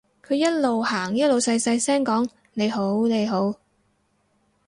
佢一路行一路細細聲講你好你好